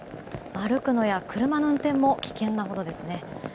歩くのや車の運転も危険なほどですね。